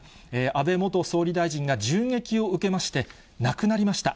安倍元総理大臣が銃撃を受けまして、亡くなりました。